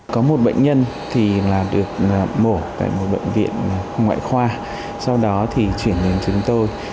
có một bệnh nhân thì được mổ tại một bệnh viện ngoại khoa sau đó thì chuyển đến chúng tôi